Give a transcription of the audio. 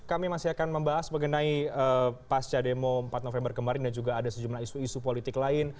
kami masih akan membahas mengenai pasca demo empat november kemarin dan juga ada sejumlah isu isu politik lain